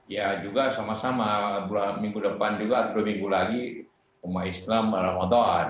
ya juga sama sama minggu depan juga dua minggu lagi umat islam ramadan